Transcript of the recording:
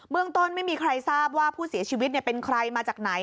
เมืองต้นไม่มีใครทราบว่าผู้เสียชีวิตเป็นใครมาจากไหน